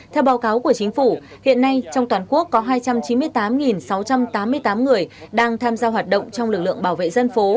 theo báo cáo của chính phủ hiện nay trong toàn quốc có hai trăm chín mươi tám sáu trăm tám mươi tám người đang tham gia hoạt động trong lực lượng bảo vệ dân phố